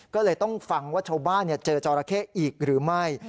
ก็เลยต้องฟังว่าชาวบ้านเจอจอราเข้อีกหรือไม่